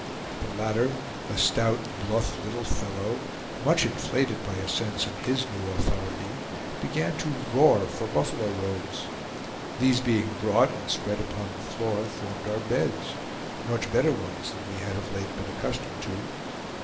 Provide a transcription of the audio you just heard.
The latter, a stout, bluff little fellow, much inflated by a sense of his new authority, began to roar for buffalo robes. These being brought and spread upon the floor formed our beds; much better ones than we had of late been accustomed to.